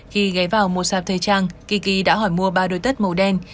khi ghé vào một sạp thời trang tiki đã hỏi mua ba đôi tất màu đen